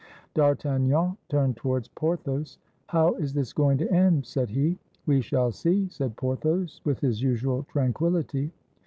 D'Artagnan turned towards Porthos. "How is this going to end?" said he. "We shall see," said Porthos, with his usual tranquil lity.